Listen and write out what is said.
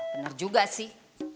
bener juga sih